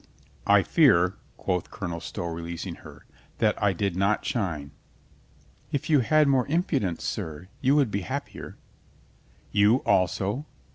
"I fear," quoth Colonel Stow, releasing her, "that I did not shine." "If you had more impudence, sir, you would be happier." "You also?"